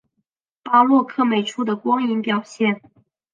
巴洛克美术的光影表现